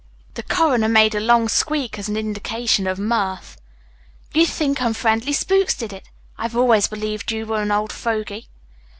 The coroner made a long squeak as an indication of mirth. "You think unfriendly spooks did it. I've always believed you were an old fogy.